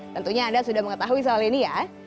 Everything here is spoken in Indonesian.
tentunya anda sudah mengetahui soal ini ya